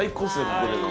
ここでの。